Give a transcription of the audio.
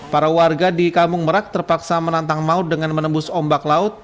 para warga di kampung merak terpaksa menantang maut dengan menembus ombak laut